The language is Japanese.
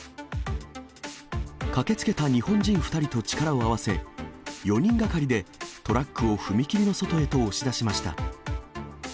駆けつけた日本人２人と力を合わせ、４人がかりでトラックを踏切の外へと押し出しました。